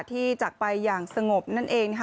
ที่จักรไปอย่างสงบนั่นเองค่ะ